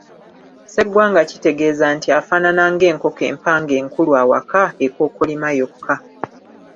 Sseggwanga kitegeeza nti afaanana ng'enkoko empanga enkulu awaka ekookolima yokka.